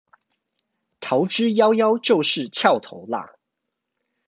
逃之夭夭就是蹺頭啦